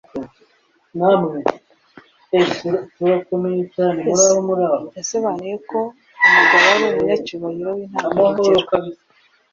Yasobanuye ko umugabo ari umunyacyubahiro wintangarugero.